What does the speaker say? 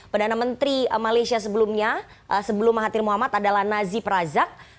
perdana menteri malaysia sebelumnya sebelum mahathir muhammad adalah nazib razak